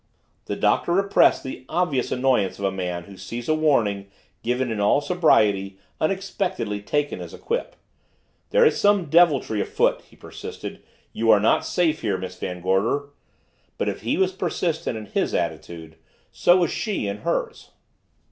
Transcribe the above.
The Doctor repressed the obvious annoyance of a man who sees a warning, given in all sobriety, unexpectedly taken as a quip. "There is some deviltry afoot," he persisted. "You are not safe here, Miss Van Gorder." But if he was persistent in his attitude, so was she in hers.